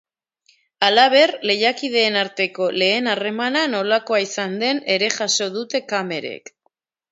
Halaber, lehiakideen arteko lehen harremana nolakoa izan den ere jaso dute kamerek.